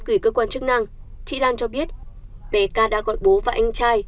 gửi cơ quan chức năng chị lan cho biết bé ca đã gọi bố và anh trai